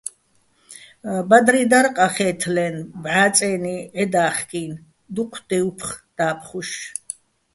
ბადრი დარ ყახე́თლენი ბჵა წე́ნი ჺედა́ხკი́ნი̆, დუჴ დუ́ფხო̆ და́ფხუშ.